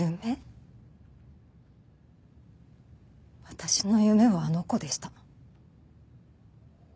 私の夢はあの子でした。